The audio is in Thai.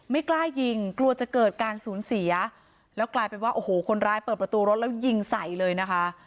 ไม่กล้ายิงกลัวจะเกิดการสูญเสียแล้วกลายเป็นว่าโอ้โหคนร้ายเปิดประตูรถแล้วยิงใส่เลยนะคะ